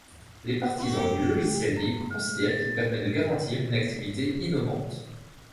Les partisans du logiciel libre considèrent qu'il permet de garantir une activité innovante.